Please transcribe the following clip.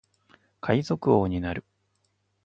海賊王になる